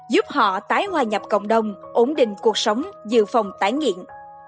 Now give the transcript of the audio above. giúp họ tái hoa nhập cộng đồng ổn định cuộc sống giữ phòng tái nghiện